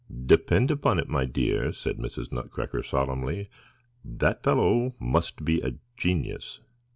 "Depend upon it, my dear," said Mrs. Nutcracker solemnly, "that fellow must be a genius."